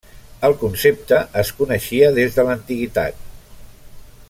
El concepte es coneixia des de l'antiguitat.